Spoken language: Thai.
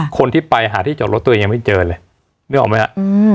คนที่ไปหาที่จอดรถตัวยังไม่เจอเลยเดี๋ยวออกไหมคะ